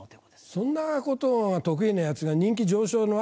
そんなことが得意なヤツが人気上昇のわけねえ。